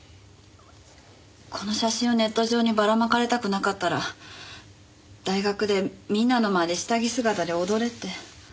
この写真をネット上にばらまかれたくなかったら大学でみんなの前で下着姿で踊れって。